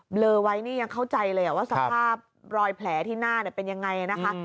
เลอไว้นี่ยังเข้าใจเลยว่าสภาพรอยแผลที่หน้าเป็นยังไงนะคะ